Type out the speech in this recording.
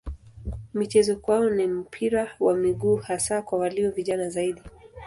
Michezo kwao ni mpira wa miguu hasa kwa walio vijana zaidi.